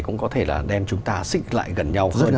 cũng có thể là đem chúng ta xích lại gần nhau